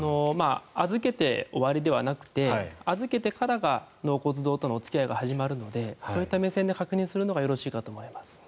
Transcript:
預けて終わりではなくて預けてからが納骨堂とのお付き合いが始まるのでそういった目線で確認するのがよろしいかと思います。